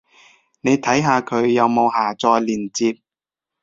你睇下佢有冇下載連接